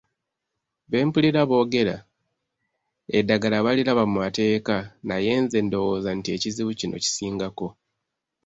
Be mpulira boogera, eddagala baliraba mu mateeka naye nze ndowooza nti ekizibu kino kisingako